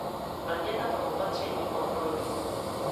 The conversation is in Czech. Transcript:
Plně tato opatření podporuji.